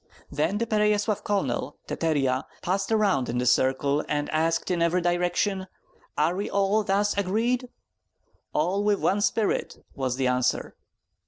Then the Pereyaslav colonel, Teterya, passed around in the circle, and asked in every direction: "Are all thus agreed?" "All with one spirit," was the answer.